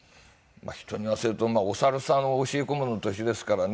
人に言わせるとお猿さんを教え込むのと一緒ですからね。